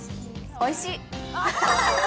おいしい。